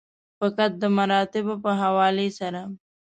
فقط د مراتبو په حواله سره.